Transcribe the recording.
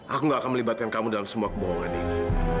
aku gak akan melibatkan kamu dalam semua kebohongan ini